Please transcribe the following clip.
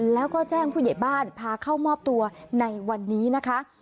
แล้วก็แจ้งผู้ใหญ่บ้านพาเข้ามอบตัวในวันนี้นะคะ